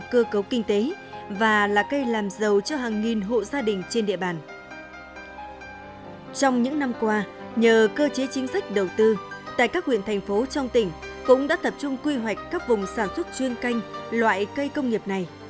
các doanh nghiệp trong tỉnh cũng đã tập trung quy hoạch các vùng sản xuất chuyên canh loại cây công nghiệp này